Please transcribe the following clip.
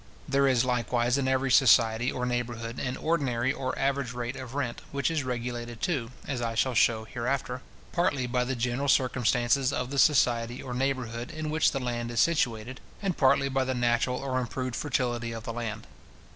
There is likewise in every society or neighbourhood an ordinary or average rate of rent, which is regulated, too, as I shall shew hereafter, partly by the general circumstances of the society or neighbourhood in which the land is situated, and partly by the natural or improved fertility of the land.